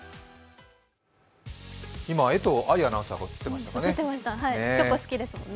今、江藤愛アナウンサーが映ってましたかね。